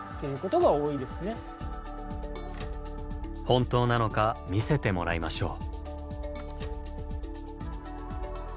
本当なのか見せてもらいましょう。